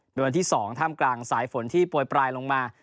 โดยวันที่สองถ้ามกลางสายฝนที่ปล่อยปลายลงมา